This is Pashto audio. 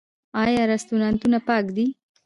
آیا رستورانتونه پاک دي؟